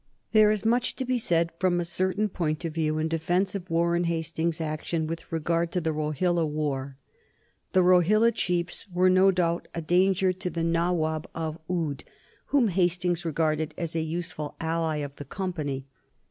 There is much to be said from a certain point of view in defence of Warren Hastings's action with regard to the Rohilla war. The Rohilla chiefs were no doubt a danger to the Nawab of Oude, whom Hastings regarded as a useful ally of the Company.